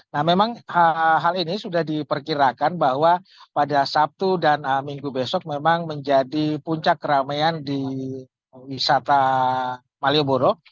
nah memang hal ini sudah diperkirakan bahwa pada sabtu dan minggu besok memang menjadi puncak keramaian di wisata malioboro